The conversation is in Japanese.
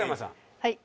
はい。